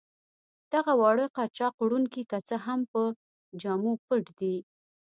دغه واړه قاچاق وړونکي که څه هم په جامو پټ دي.